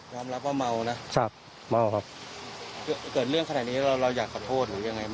รับว่าเมานะครับเมาครับเกิดเรื่องขนาดนี้เราเราอยากขอโทษหรือยังไง